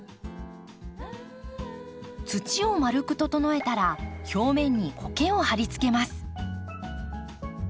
土を丸く整えたら表面にコケをはりつけます。